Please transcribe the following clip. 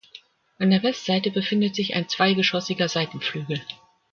An der Westseite befindet sich ein zweigeschossiger Seitenflügel.